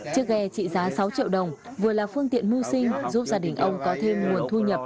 chiếc ghe trị giá sáu triệu đồng vừa là phương tiện mưu sinh giúp gia đình ông có thêm nguồn thu nhập